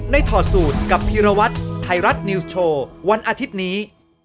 ถอดสูตรกับพีรวัตรไทยรัฐนิวส์โชว์วันอาทิตย์นี้